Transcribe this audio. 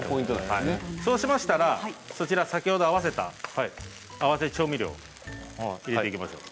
そうしましたら先ほど合わせた合わせ調味料を入れていきましょう。